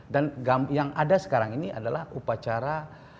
dan yang ada sekarang ini adalah upacara